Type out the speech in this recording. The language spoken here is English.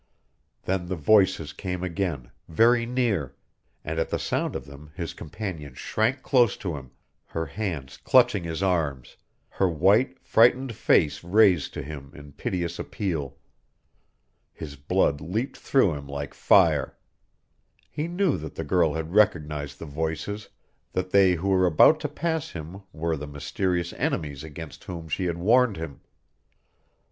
Then the voices came again, very near, and at the sound of them his companion shrank close to him, her hands clutching his arms, her white, frightened face raised to him in piteous appeal. His blood leaped through him like fire. He knew that the girl had recognized the voices that they who were about to pass him were the mysterious enemies against whom she had warned him.